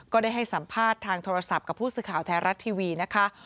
ได้ให้สัมภาษณ์ทางโทรศัพท์กับผู้สื่อข่าวไทยรัฐทีวีนะคะ